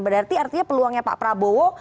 berarti artinya peluangnya pak prabowo